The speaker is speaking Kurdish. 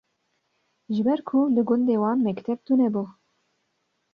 Ji ber ku li gundê wan mekteb tunebû